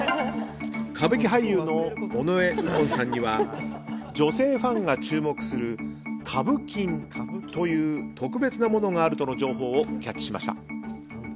歌舞伎俳優の尾上右近さんには女性ファンが注目するカブキンという特別なものがあるとの情報をキャッチしました。